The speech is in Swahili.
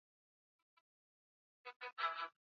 wenyeji wa nchi nyingine za Kislavi Wahamiaji hao